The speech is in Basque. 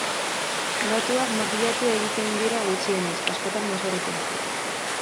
Datuak makillatu egiten dira gutxienez, askotan mozorrotu.